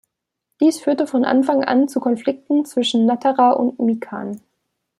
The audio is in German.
Dies führte von Anfang an zu Konflikten zwischen Natterer und Mikan.